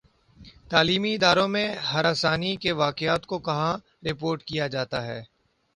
تعلیمی اداروں میں ہراسانی کے واقعات کو کہاں رپورٹ کیا جائے